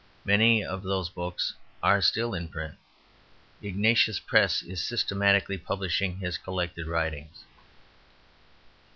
Many of those books are still in print. Ignatius Press is systematically publishing his collected writings.